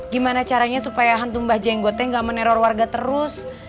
gimana caranya supaya hantu bajengotnya ga meneror warga terus